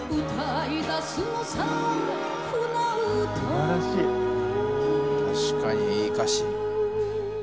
「素晴らしい」「確かにいい歌詞」